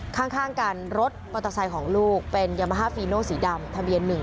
ข้างกันรถมอเตอร์ไซค์ของลูกเป็นยามาฮาฟีโนสีดำทะเบียนหนึ่ง